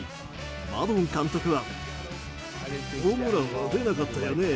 マドン監督は。